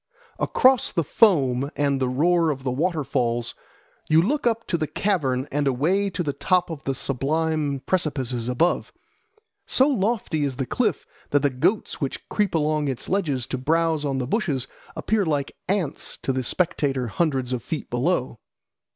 Across the foam and the roar of the waterfalls you look up to the cavern and away to the top of the sublime precipices above. So lofty is the cliff that the goats which creep along its ledges to browse on the bushes appear like ants to the spectator hundreds of feet below.